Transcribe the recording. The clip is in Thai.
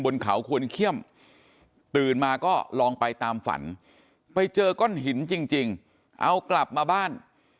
บนเขาควรเขี้ยมตื่นมาก็ลองไปตามฝันไปเจอก้อนหินจริงเอากลับมาบ้าน